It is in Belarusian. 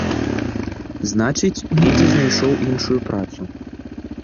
Значыць, недзе знайшоў іншую працу.